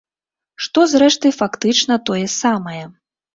Што, зрэшты, фактычна тое самае.